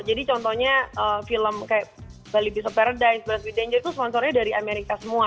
jadi contohnya film kayak bali beasts of paradise brush with danger itu sponsornya dari amerika semua